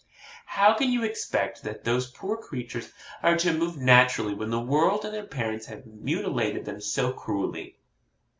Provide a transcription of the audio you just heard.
How can you expect that those poor creatures are to move naturally when the world and their parents have mutilated them so cruelly?